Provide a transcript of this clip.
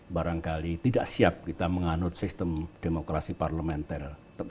barangkali tidak siap kita menganut sistem demokrasi parlementer